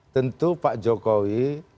tentu pak jokowi